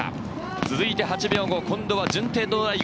続いて８秒後、今度は順天堂大学。